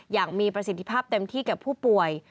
อย่างมีประสิทธิภาพเต็มที่แก่ผู้ป่วย